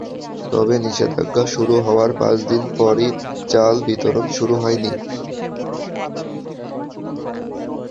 তবে নিষেধাজ্ঞা শুরু হওয়ার পাঁচ দিন পরও চাল বিতরণ শুরু হয়নি।